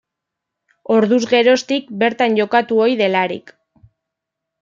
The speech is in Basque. Orduz geroztik bertan jokatu ohi delarik.